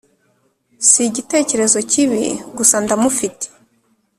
sigitekerezo kibi gusa ndamufite